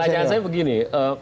pertanyaan saya begini